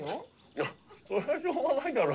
いやそれはしょうがないだろ。